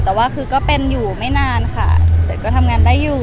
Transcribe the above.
แต่ว่าคือก็เป็นอยู่ไม่นานค่ะเสร็จก็ทำงานได้อยู่